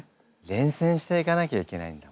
連戦していかなきゃいけないんだもん。